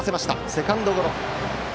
セカンドゴロ。